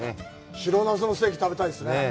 白ナスのステーキ食べたいですね。